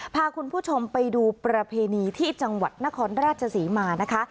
พาคุณผู้ชมไปดูประเพณีที่จังหวัดนครราชศรีมานะคะ